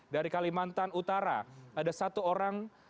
dari kalimantan utara ada satu orang